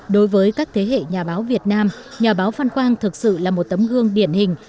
đối với các thế hệ nhà báo việt nam nhà báo phan quang thực sự là một tấm gương điển hình